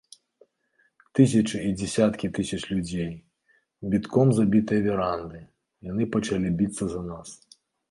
Тысячы ці дзясяткі тысяч людзей, бітком забітыя веранды, яны пачалі біцца за нас.